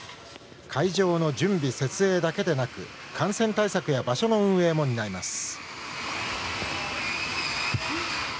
会場の準備、設営だけでなく感染対策や場所の運営も担います。